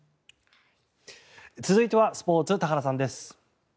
続いてはスポーツ田原さんです。